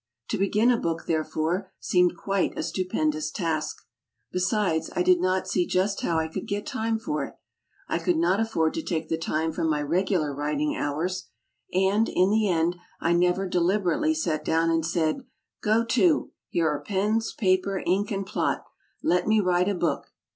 To begin a book, therefore, seemed quite a stupendous task. Besides, I did not see just how I could get time for it. I could not afford to take the time from my regular writing hours. And, in the end, I never deliber ately sat down and said "Go to! Here are pens, paper, ink and plot. Let me write a book.